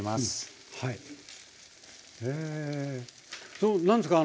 その何ですか？